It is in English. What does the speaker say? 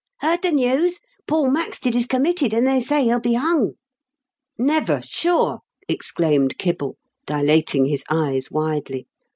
" Heard the news ? Paul Maxted is com mitted, and they say he'll be hung!" Never, sure !" exclaimed Kebble, dilating his eyes widely.